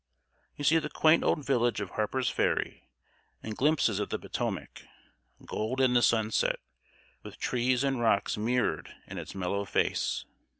You see the quaint old village of Harper's Ferry, and glimpses of the Potomac gold in the sunset with trees and rocks mirrored in its mellow face.